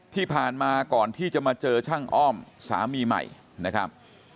ที่ผ่านมาก่อนที่จะมาเจอช่างอ้อมสามีใหม่นะครับ